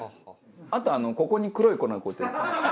あとここに黒い粉をこうやって。